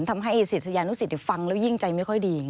ทำให้ศิษยานุสิตฟังแล้วยิ่งใจไม่ค่อยดี